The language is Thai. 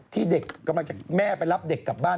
แต่ก็ไม่น่าผิดบ้าน